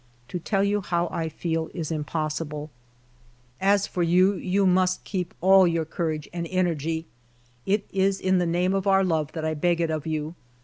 To tell you how I feel is im possible. ••••••••• "As for you, you must keep all your courage and energy. It is in the name of our love that I beg it of you.